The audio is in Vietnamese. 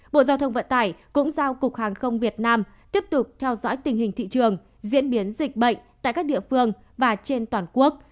bộ giao thông vận tải cũng giao cục hàng không việt nam tiếp tục theo dõi tình hình thị trường diễn biến dịch bệnh tại các địa phương và trên toàn quốc